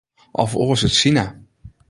Of oars út Sina.